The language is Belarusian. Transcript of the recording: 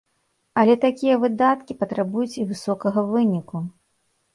Але такія выдаткі патрабуюць і высокага выніку.